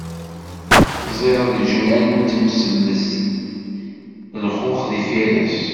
Ẓẓiɣ leǧnan d imselles, lxux d ifires.